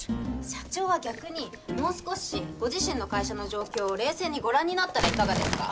社長は逆にもう少しご自身の会社の状況を冷静にご覧になったらいかがですか？